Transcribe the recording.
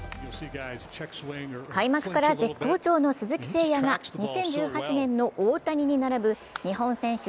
開幕から絶好調の鈴木誠也が２０１８年の大谷に並ぶ日本選手